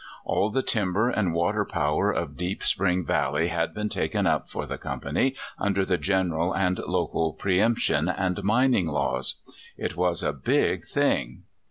All the timber and water power of Deep Spring Valley had been taken up for the company under the general and local pre emption and mining laws. It was a big thing.